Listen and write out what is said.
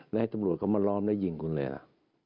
แล้วให้ตำรวจเขามาล้อมแล้วยิงคุณเลยล่ะ